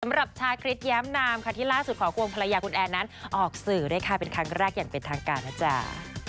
สำหรับชาคริสแย้มนามค่ะที่ล่าสุดขอควงภรรยาคุณแอนนั้นออกสื่อด้วยค่ะเป็นครั้งแรกอย่างเป็นทางการนะจ๊ะ